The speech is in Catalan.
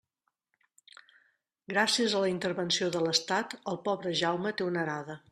Gràcies a la intervenció de l'estat, el pobre Jaume té una arada.